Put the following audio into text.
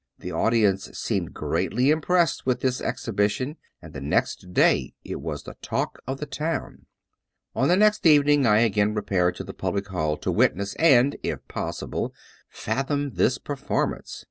The audience seemed greatly impressed with this exhibition, and the next day it was the talk of the town. ••••• On the next evening I again repaired to the public hall to witness and, if possible, fathom this performance.